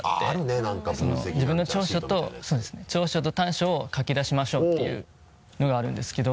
自分の長所と短所を書き出しましょうっていうのがあるんですけど。